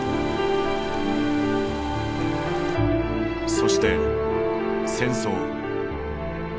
そして戦争。